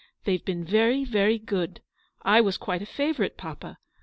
They've been very, very good. I was quite a favourite, papa.